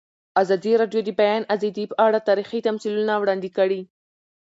ازادي راډیو د د بیان آزادي په اړه تاریخي تمثیلونه وړاندې کړي.